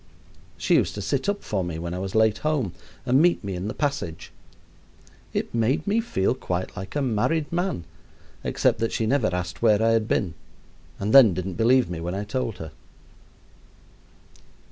She used to sit up for me when I was late home and meet me in the passage. It made me feel quite like a married man, except that she never asked where I had been and then didn't believe me when I told her.